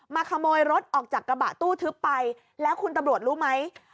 ขโมยรถออกจากกระบะตู้ทึบไปแล้วคุณตำรวจรู้ไหม